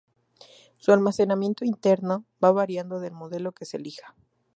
Su almacenamiento interno va variando del modelo que se elija.